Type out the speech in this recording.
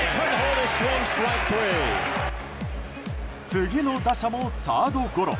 次の打者もサードゴロ。